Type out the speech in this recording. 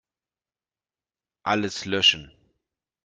Alles löschen.